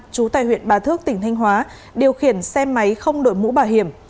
trú tại huyện bà thước tỉnh thanh hóa điều khiển xe máy không đội mũ bảo hiểm